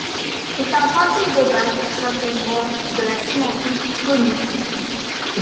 C'est un principe de base pour certaines branches de la sémantique cognitive.